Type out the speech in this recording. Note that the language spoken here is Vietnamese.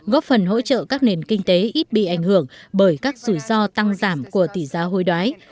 góp phần hỗ trợ các nền kinh tế ít bị ảnh hưởng bởi các rủi ro tăng giảm của tỷ giá hối đoái